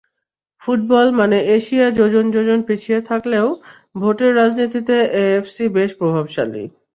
Football মানে Asia যোজন যোজন পিছিয়ে থাকলেও ভোটের রাজনীতিতে এএফসি বেশ প্রভাবশালী।